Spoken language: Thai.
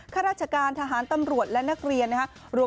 ข้าราชการทหารตำรวจและนักเรียนนะครับ